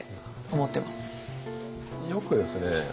よくですね